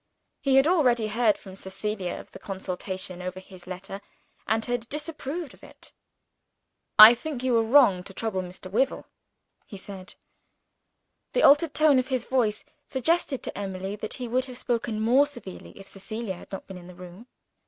He had already heard from Cecilia of the consultation over his letter, and had disapproved of it. "I think you were wrong to trouble Mr. Wyvil," he said. The altered tone of his voice suggested to Emily that he would have spoken more severely, if Cecilia had not been in the room.